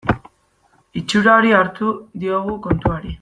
Itxura hori hartu diogu kontuari.